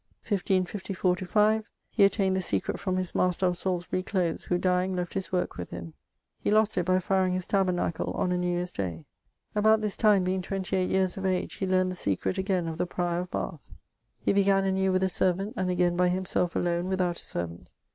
1554/5 He attained the secret from his master of Salisbury close, who dying left his worke with him. He lost it by fireing his tabernacle on a New Yeare's day. About this time being 28 yeares of age, he learned the secret againe of the prior of Bathe. He began anew with a servant, and againe by himselfe alone without a servant.